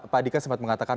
pak adhika sempat mengatakan